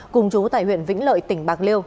cùng chú tại huyện vĩnh lợi tỉnh bạc liêu